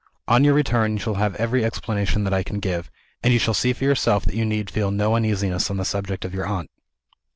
On your return, you shall have every explanation that I can give; and you shall see for yourself that you need feel no uneasiness on the subject of your aunt."